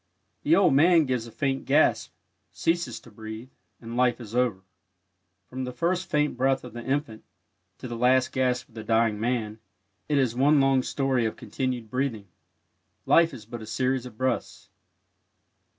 The old man gives a faint gasp, ceases to breathe, and life is over. From the first faint breath of the infant to the last gasp of the dying man, it is one long story of continued breathing. Life is but a series of breaths.